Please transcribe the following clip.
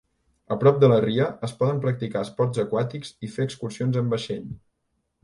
A prop de la ria, es poden practicar esports aquàtics i fer excursions amb vaixell.